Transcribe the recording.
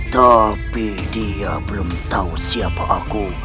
tapi dia belum tahu siapa aku